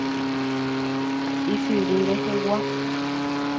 Ysyry rehegua.